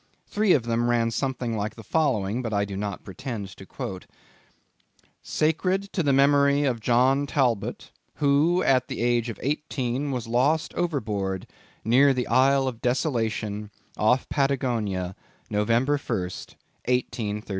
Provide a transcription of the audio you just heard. Three of them ran something like the following, but I do not pretend to quote:— SACRED TO THE MEMORY OF JOHN TALBOT, Who, at the age of eighteen, was lost overboard, Near the Isle of Desolation, off Patagonia, November 1_st_, 1836.